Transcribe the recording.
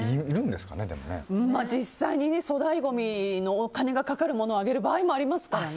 実際に粗大ごみのお金がかかるものをあげる場合もありますからね。